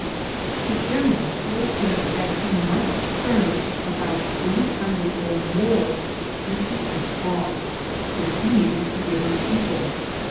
The general told him that he must furnish about three hun dred or more pieees of cloth, which he needed to give his people.